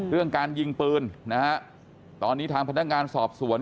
เรื่องการยิงปืนนะฮะตอนนี้ทางพนักงานสอบสวน